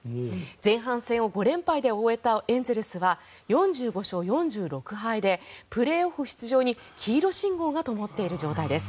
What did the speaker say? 前半戦を５連敗で終えたエンゼルスは４５勝４６敗でプレーオフ出場に黄色信号がともっている状態です。